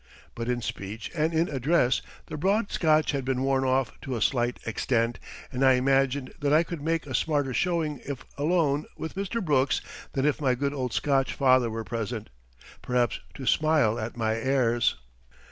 But in speech and in address the broad Scotch had been worn off to a slight extent, and I imagined that I could make a smarter showing if alone with Mr. Brooks than if my good old Scotch father were present, perhaps to smile at my airs.